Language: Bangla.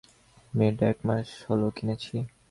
আমি এটা এক মাস হল কিনেছি।